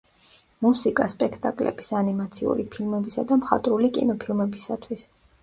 მუსიკა სპექტაკლების, ანიმაციური ფილმებისა და მხატვრული კინოფილმებისათვის.